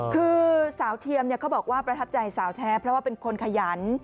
คือสาวเทียมเขาบอกว่าประทับใจสาวแท้เพราะว่าเป็นคนขยัน